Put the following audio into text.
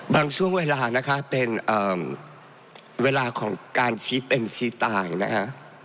ช่วงเวลานะคะเป็นเวลาของการชี้เป็นชี้ตายนะคะ